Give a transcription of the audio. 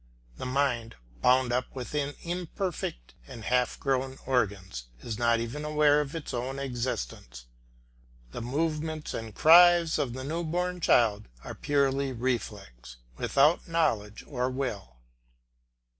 The mind, bound up within imperfect and half grown organs, is not even aware of its own existence. The movements and cries of the new born child are purely reflex, without knowledge or will.